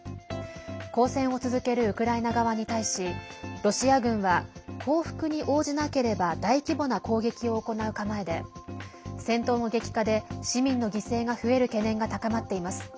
抗戦を続るウクライナ側に対しロシア軍は降伏に応じなければ大規模な攻撃を行う構えで戦闘の激化で市民の犠牲が増える懸念が高まっています。